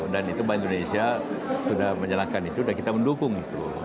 dan itu bank indonesia sudah menjalankan itu dan kita mendukung itu